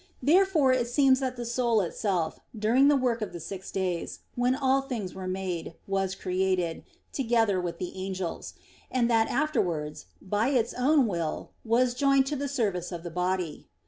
Therefore it seems that the soul itself, during the work of the six days, when all things were made, was created, together with the angels; and that afterwards, by its own will, was joined to the service of the body.